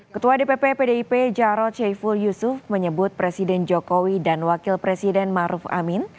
ketua dpp pdip jarod syaiful yusuf menyebut presiden jokowi dan wakil presiden maruf amin